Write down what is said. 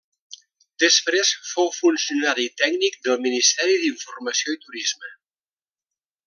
Després fou funcionari tècnic del Ministeri d'Informació i Turisme.